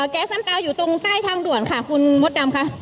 แก๊สน้ำตาอยู่ตรงใต้ทางด่วนค่ะคุณมดดำค่ะ